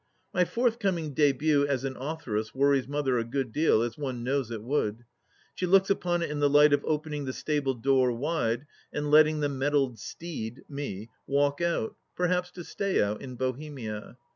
My forthcoming dibut as an authoress worries Mother a good deal, as one knows it would. She looks upon it in the light of opening the stable door wide and letting the mettled steed — me — ^walk out, perhaps to stay out — in Bohemia.